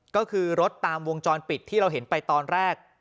ก็คือรถตามวงจรปิดที่เราเห็นไปตอนแรก